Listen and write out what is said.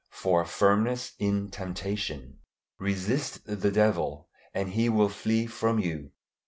FOR FIRMNESS IN TEMPTATION. "Resist the devil, and he will flee from you."